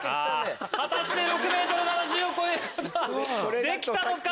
果たして６ｍ７０を超えることはできたのか？